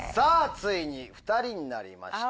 ついに２人になりました。